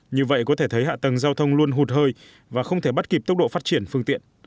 như vậy có thể thấy hạ tầng giao thông luôn hụt hơi và không thể bắt kịp tốc độ phát triển phương tiện